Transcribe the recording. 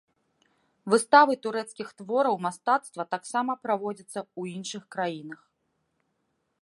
Выставы турэцкіх твораў мастацтва таксама праводзяцца ў іншых краінах.